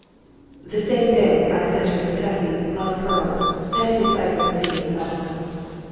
"] The same day I sent her Petöfi's "Love's Pearls," and his "Cypress Leaves" also.